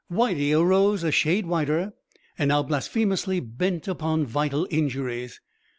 Whitey arose a shade whiter, and now blasphemously bent upon vital injuries.